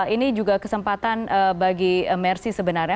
ini juga kesempatan bagi mersi sebenarnya